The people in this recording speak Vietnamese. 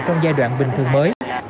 trong giai đoạn bình thường mới